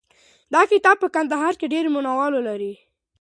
دا کتاب په کندهار کې ډېر مینه وال لري.